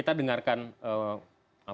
terima kasih banyak